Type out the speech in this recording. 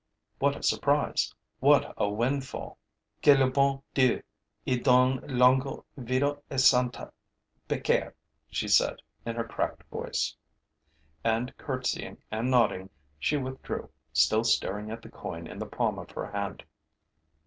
What a surprise! What a windfall! 'Que lou bon Dieu ie done longo vido e santa, pecaire!' she said, in her cracked voice. And, curtseying and nodding, she withdrew, still staring at the coin in the palm of her hand.